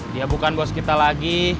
dia bukan bos kita lagi